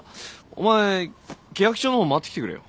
お前けやき町の方回ってきてくれよ。